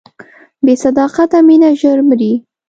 بې صداقته مینه ژر مري.